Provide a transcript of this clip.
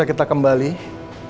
kita juga beres bagi karena